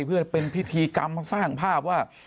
เพื่อเป็นพิธีกรรมสร้างภาพว่า